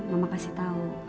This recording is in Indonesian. mama kasih tau